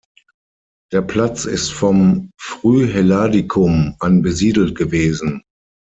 Der Platz ist vom Frühhelladikum an besiedelt gewesen.